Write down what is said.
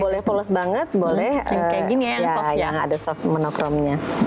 boleh polos banget boleh yang ada soft monochrome nya